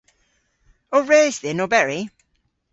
O res dhyn oberi?